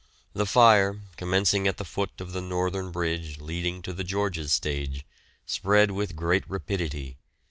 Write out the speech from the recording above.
The fire, commencing at the foot of the northern bridge leading to the George's stage, spread with great rapidity.